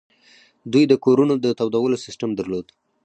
دوی د کورونو د تودولو سیستم درلود